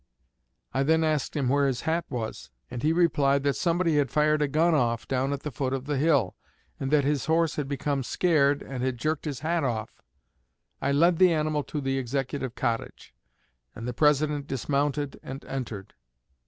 I then asked him where his hat was; and he replied that somebody had fired a gun off down at the foot of the hill, and that his horse had become scared and had jerked his hat off. I led the animal to the Executive Cottage, and the President dismounted and entered.